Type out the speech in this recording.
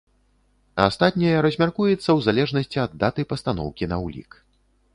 Астатняе размяркуецца ў залежнасці ад даты пастаноўкі на ўлік.